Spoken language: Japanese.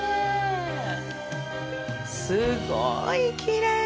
すごいきれい！